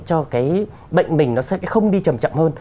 cho cái bệnh mình nó sẽ không đi chậm chậm hơn